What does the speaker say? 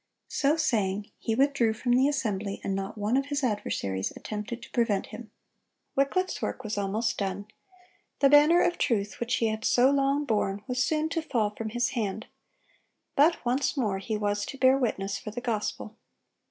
(120) So saying, he withdrew from the assembly, and not one of his adversaries attempted to prevent him. Wycliffe's work was almost done; the banner of truth which he had so long borne was soon to fall from his hand; but once more he was to bear witness for the gospel.